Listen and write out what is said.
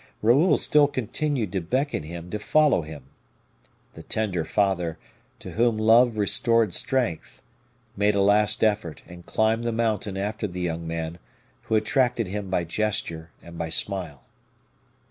Raoul still continued to beckon him to follow him. The tender father, to whom love restored strength, made a last effort, and climbed the mountain after the young man, who attracted him by gesture and by smile.